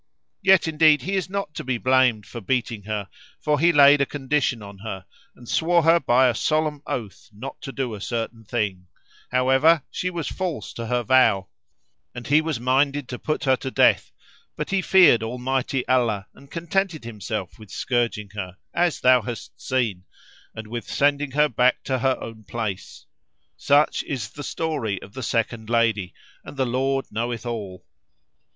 Yet indeed he is not to be blamed for beating her, for he laid a condition on her and swore her by a solemn oath not to do a certain thing; however, she was false to her vow and he was minded to put her to death, but he feared Almighty Allah and contented himself with scourging her, as thou hast seen, and with sending her back to her own place. Such is the story of the second lady and the Lord knoweth all."